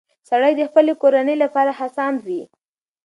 سړی د خپلې کورنۍ لپاره هڅاند وي